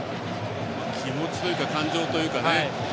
気持ちというか感情というかね。